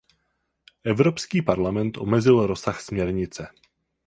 Evropský parlament omezil rozsah směrnice.